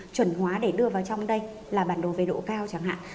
chuẩn hóa để đưa vào trong đây là bản đồ về độ cao chẳng hạn